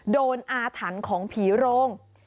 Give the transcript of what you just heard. โดนอาถรรค์ของผีโรง